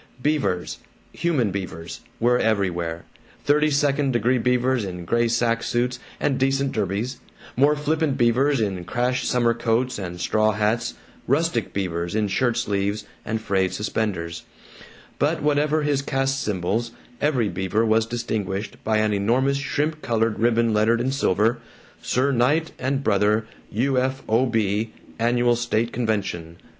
Beavers, human Beavers, were everywhere: thirty second degree Beavers in gray sack suits and decent derbies, more flippant Beavers in crash summer coats and straw hats, rustic Beavers in shirt sleeves and frayed suspenders; but whatever his caste symbols, every Beaver was distinguished by an enormous shrimp colored ribbon lettered in silver, "Sir Knight and Brother, U. F. O. B., Annual State Convention."